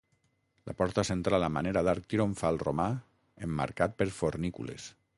La porta central a manera d'arc triomfal romà, emmarcat per fornícules.